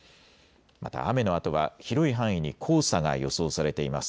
また雨のあとは広い範囲に黄砂が予想されています。